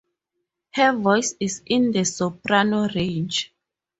Her voice is in the soprano range.